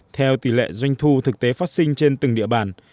theo tỷ lệ doanh thu thực tế phát sinh trên từng địa bàn